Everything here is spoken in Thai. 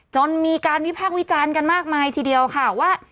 จนมีการวิพากษ์วิจารณ์กันมากมายทีเดียวค่ะว่า